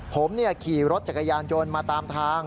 ผมขี่รถจักรยานยนต์มาตามทาง